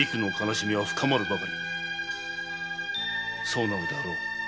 そうなのであろう。